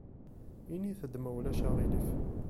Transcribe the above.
Init-d ma ulac aɣilif.